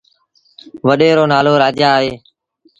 وڏي رو نآلو رآجآ اهي